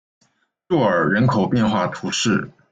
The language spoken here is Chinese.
若尔人口变化图示